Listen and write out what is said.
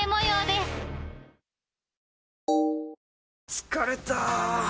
疲れた！